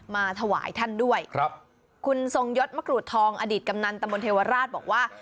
มาถวายท่านด้วยครับคุณทรงยศมะกรูดทองอดีตกำนันตมเทวราชบอกว่า